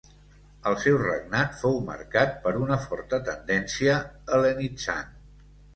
El seu regnat fou marcat per una forta tendència hel·lenitzant.